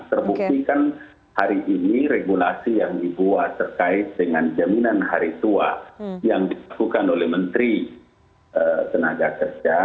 terbukti kan hari ini regulasi yang dibuat terkait dengan jaminan hari tua yang dilakukan oleh menteri tenaga kerja